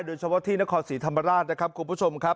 โดยเฉพาะที่นครศรีธรรมราชนะครับคุณผู้ชมครับ